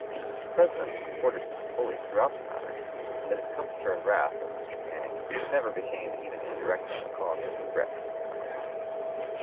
The President supported him fully throughout the matter, and the discomfiture and wrath of Mr. Canning never became even indirectly a cause of regret to the country.